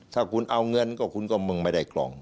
ถ้าคุณเอาเงินก็คุณก็มึงไม่ได้กล่อง